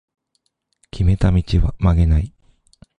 決めた道は曲げない